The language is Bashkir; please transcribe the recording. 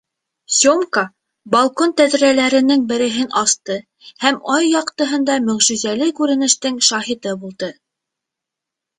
Сёмка балкон тәҙрәләренең береһен асты һәм ай яҡтыһында мөғжизәле күренештең шаһиты булды.